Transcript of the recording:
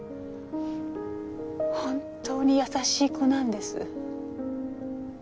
本当に優しい子なんです。